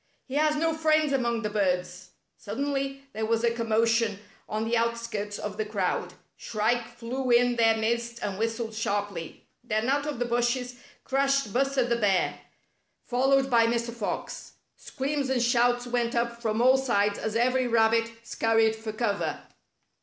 He has no friends among the birds —" Suddenly there was a commotion on the out skirts of the crowd. Shrike flew in their midst and whistled sharply. Then out of the bushes crashed Buster the Bear, followed by Mr. Fox. Screams and shouts went up from all sides as every rabbit scurried for cover.